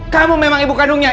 kamu memang ibu kandungnya